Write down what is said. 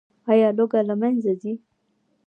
آیا لوږه له منځه ځي؟